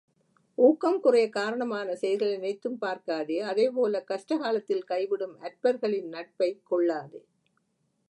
ஊக்கம் குறையக் காரணமான செயல்களை நினைத்தும் பார்க்காதே அதேபோலக் கஷ்ட காலத்தில் கைவிடும் அற்பர்களின் நட்பைக் கொள்ளாதே.